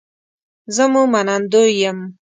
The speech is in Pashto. زه مو منندوی یم